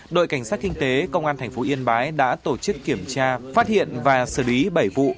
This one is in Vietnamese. đội cảnh sát kinh tế công an tp yên bái đã tổ chức kiểm tra phát hiện và xử lý bảy vụ